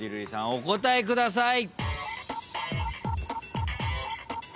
お答えください。